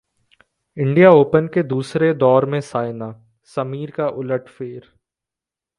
India Open के दूसरे दौर में सायना, समीर का उलटफेर